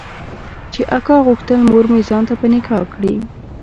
چې اکا غوښتل مورمې ځان ته په نکاح کړي.